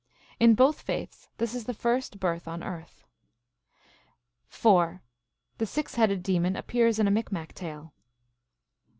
In both faiths this is the first birth on earth. (4.) The six headed demon appears in a Micmac tale.